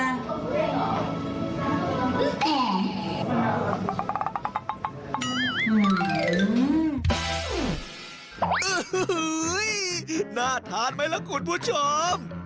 โอ้โหน่าทานไหมล่ะคุณผู้ชม